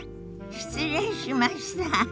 失礼しました。